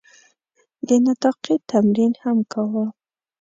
د نطاقي تمرین هم کاوه.